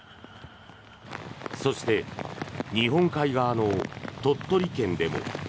そして日本海側の鳥取県でも。